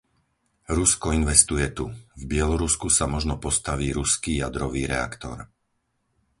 Rusko investuje tu. v Bielorusku sa možno postaví ruský jadrový reaktor.